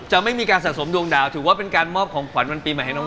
ไม่มีการสะสมดวงดาวถือว่าเป็นการมอบของขวัญวันปีใหม่ให้น้อง